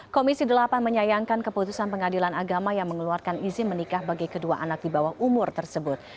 komisi delapan menyayangkan keputusan pengadilan agama yang mengeluarkan izin menikah bagi kedua anak di bawah umur tersebut